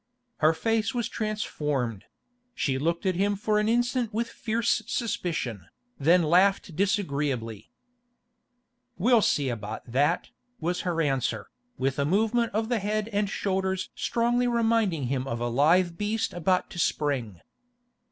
Her face was transformed; she looked at him for an instant with fierce suspicion, then laughed disagreeably. 'We'll see about that,' was her answer, with a movement of the head and shoulders strongly reminding one of a lithe beast about to spring.